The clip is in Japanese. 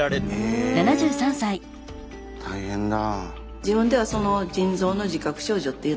え大変だ。